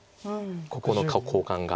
ここの交換が。